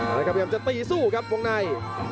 แล้วครับพยายามจะตีสู้ครับวงใน